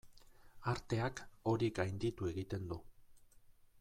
Arteak hori gainditu egiten du.